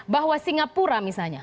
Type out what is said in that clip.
bahwa singapura misalnya